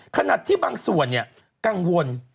ขนาดที่บางส่วนเนี่ยกังวล